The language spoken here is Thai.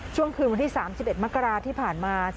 ช่วงคืนวันที่๓๑มกราที่ผ่านมา